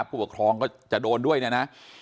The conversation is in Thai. ผู้ปกครองก็จะโดนด้วยเนี่ยนะ